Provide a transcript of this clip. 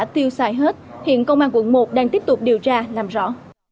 tại hết hiện công an quận một đang tiếp tục điều tra làm rõ